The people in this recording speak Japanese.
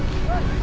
はい。